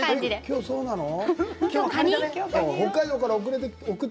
今日、そうなの？